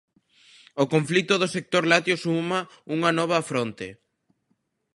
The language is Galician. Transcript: O conflito do sector lácteo suma unha nova fronte.